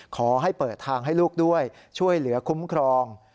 ขอให้เปิดทางให้ลูกด้วยช่วยเหลือคุ้มครอง